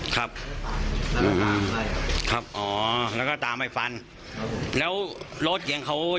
เพิ่งชนโดนโดนไหมวันนั้นโดนไหม